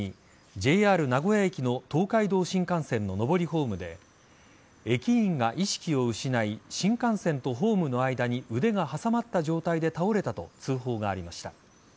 ＪＲ名古屋駅の東海道新幹線上りホームで駅員が意識を失い新幹線とホームの間に腕が挟まった状態で倒れたと通報がありました。